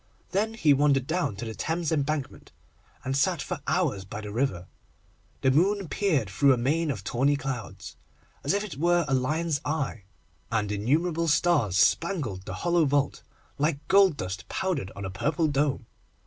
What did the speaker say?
Then he wandered down to the Thames Embankment, and sat for hours by the river. The moon peered through a mane of tawny clouds, as if it were a lion's eye, and innumerable stars spangled the hollow vault, like gold dust powdered on a purple dome.